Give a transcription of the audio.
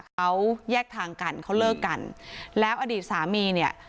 เขาแยกทางกันเขาเลิกกันแล้วอดีตสามีเนี่ย